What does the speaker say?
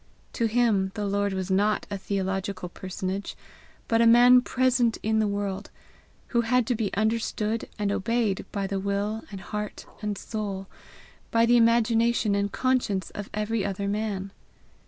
To him the Lord was not a theological personage, but a man present in the world, who had to be understood and obeyed by the will and heart and soul, by the imagination and conscience of every other man.